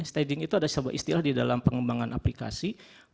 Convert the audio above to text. stading itu ada sebuah istilah di dalam pengembangan aplikasi